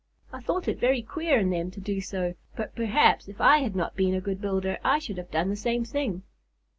I thought it very queer in them to do so, but perhaps if I had not been a good builder I should have done the same thing."